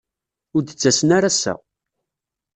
Ur d-ttasen ara ass-a.